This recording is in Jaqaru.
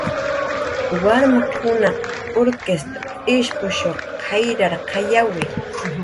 Warmkunaq urkist ishpush jayrarqayawi